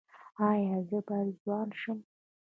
ایا زه باید ځوان شم؟